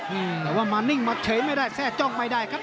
นี่แต่ว่ามานิ่งมาเฉยไม่ได้แทร่จ้องไม่ได้ครับ